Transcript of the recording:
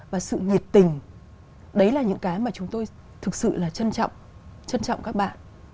và sự nhiệt tình đấy là những cái mà chúng tôi thực sự là trân trọng các bạn